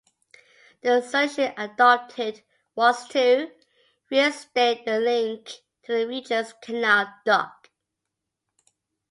The solution adopted was to reinstate a link to the Regents Canal Dock.